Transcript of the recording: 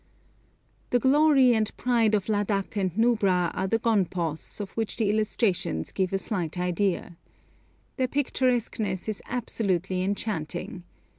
The glory and pride of Ladak and Nubra are the gonpos, of which the illustrations give a slight idea. Their picturesqueness is absolutely enchanting.